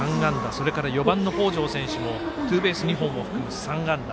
それから４番の北條選手もツーベース２本を含む３安打。